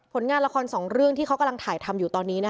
งานละครสองเรื่องที่เขากำลังถ่ายทำอยู่ตอนนี้